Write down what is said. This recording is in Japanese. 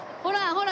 ほら！